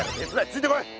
ついてこい！